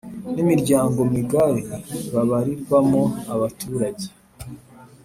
nimiryango migari babarirwamo abaturage